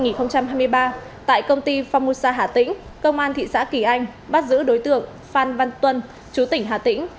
ngày bốn tháng tám năm hai nghìn hai mươi ba tại công ty phong musa hà tĩnh công an thị xã kỳ anh bắt giữ đối tượng phan văn tuân